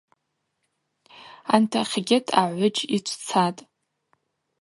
Антахьгьыт агӏвыджь йчвцатӏ.